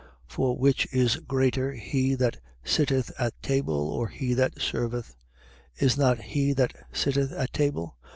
22:27. For which is greater, he that sitteth at table or he that serveth? Is not he that sitteth at table?